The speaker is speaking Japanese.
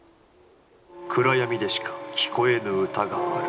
暗闇でしか聴こえぬ歌がある。